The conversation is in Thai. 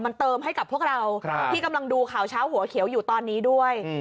มันเติมให้กับพวกเราที่กำลังดูข่าวเช้าหัวเขียวอยู่ตอนนี้ด้วย